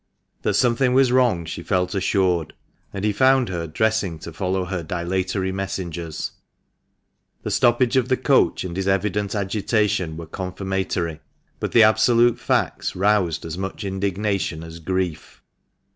That something was wrong she felt assured, and he found her dressing to follow her dilatory messengers. The stoppage of the coach and his evident SEDAN CHAIR. 232 THE MANCHESTER MAN. agitation were confirmatory ; but the absolute facts roused as much indignation as grief.